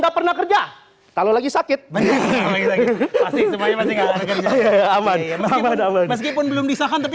gak pernah kerja kalau lagi sakit masih masih masih aman aman meskipun belum bisa kan tapi